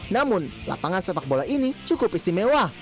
namun lapangan sepak bola ini cukup istimewa